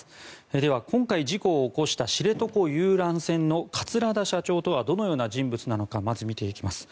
では、今回事故を起こした知床遊覧船の桂田社長とはどのような人物なのかまず、見ていきます。